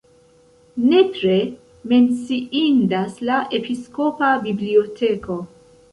Nepre menciindas la episkopa biblioteko.